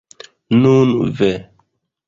Nun, ve!